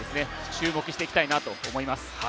注目していきたいなと思います。